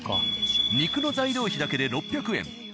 肉の材料費だけで６００円。